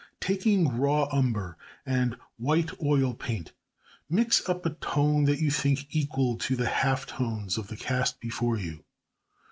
Taking raw umber and white (oil paint), mix up a tone that you think equal to the half tones of the cast before you.